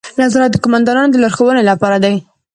نظارت د کارمندانو د لارښوونې لپاره دی.